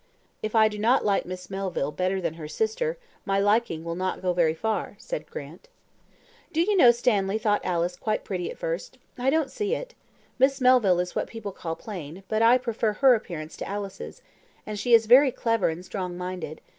"If I do not like Miss Melville better than her sister, my liking will not go very far," said Grant. "Do you know Stanley thought Alice quite pretty at first I don't see it. Miss Melville is what people call plain, but I prefer her appearance to Alice's, and she is very clever and strong minded.